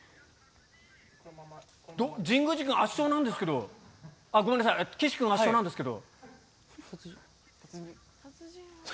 神宮寺君、圧勝なんですけど、ごめんなさい、岸君、圧勝なんですけど。